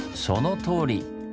そのとおり！